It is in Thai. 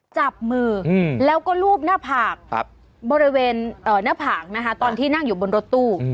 จับมือแล้วก็รูปหน้าผากบริเวณหน้าผากนะคะตอนที่นั่งอยู่บนรถตู้